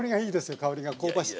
香りが香ばしい。